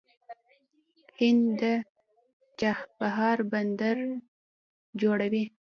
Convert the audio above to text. هند د چابهار بندر جوړوي.